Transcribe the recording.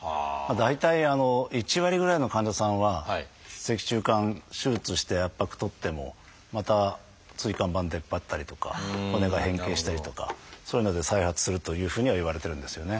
大体１割ぐらいの患者さんは脊柱管手術をして圧迫取ってもまた椎間板出っ張ったりとか骨が変形したりとかそういうので再発するというふうにはいわれてるんですよね。